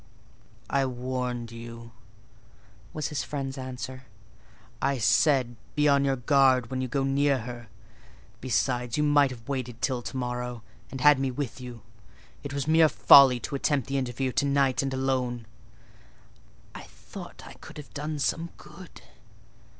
"I warned you," was his friend's answer; "I said—be on your guard when you go near her. Besides, you might have waited till to morrow, and had me with you: it was mere folly to attempt the interview to night, and alone." "I thought I could have done some good."